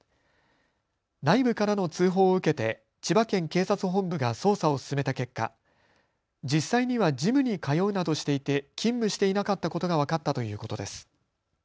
内部からの通報を受けて千葉県警察本部が捜査を進めた結果、実際にはジムに通うなどしていて勤務していなかったことが分かったということです。